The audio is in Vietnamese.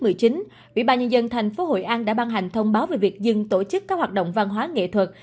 ủy ban nhân dân tp hội an đã ban hành thông báo về việc dừng tổ chức các hoạt động văn hóa nghệ thuật